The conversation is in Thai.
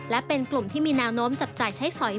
และเป็นกลุ่มที่มีแนวโน้มจับจ่ายใช้สอย